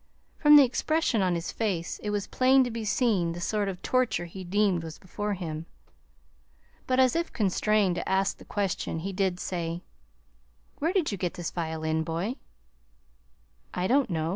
From the expression on his face it was plain to be seen the sort of torture he deemed was before him. But, as if constrained to ask the question, he did say: "Where did you get this violin, boy?" "I don't know.